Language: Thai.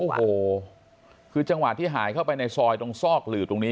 โอ้โหคือจังหวะที่หายเข้าไปในซอยตรงซอกหลืบตรงนี้